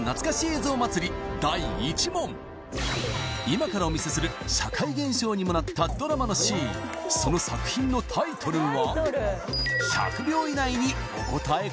今からお見せする社会現象にもなったドラマのシーンその作品のタイトルは？